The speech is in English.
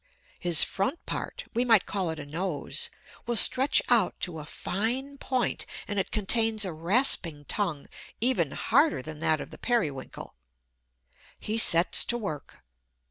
His front part we might call it a nose will stretch out to a fine point; and it contains a rasping tongue even harder than that of the Periwinkle. He sets to work.